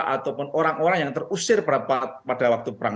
ataupun orang orang yang terusir pada waktu perang